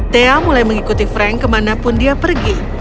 thea mulai mengikuti frank kemanapun dia pergi